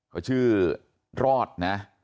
เขาชื่อรอดนะ